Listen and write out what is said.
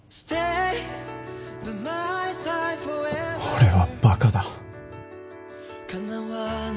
俺はバカだ